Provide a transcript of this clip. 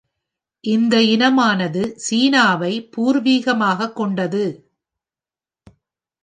இந்த இனமானது சீனாவை பூர்வீகமாகக் கொண்டது.